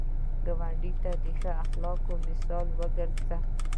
ګاونډي ته د ښه اخلاقو مثال وګرځه